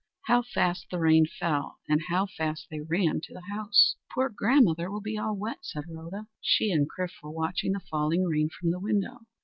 How fast the rain fell! And how fast they ran to the house! "Poor grandmother will be all wet!" said Rhoda. She and Chrif were watching the falling rain from the window.